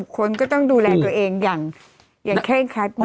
คนก็ต้องดูแลตัวเองอย่างเคร่งคัดมาก